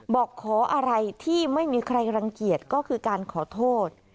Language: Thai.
บอกขออะไรที่ไม่มีใครรังเกียจก็คือการขอโทษ